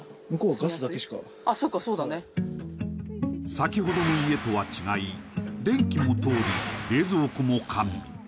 先ほどの家とは違い、電気も通り冷蔵庫も完備。